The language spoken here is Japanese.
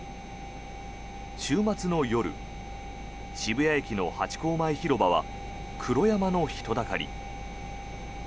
週末の夜渋谷駅のハチ公前広場は黒山の人だかり。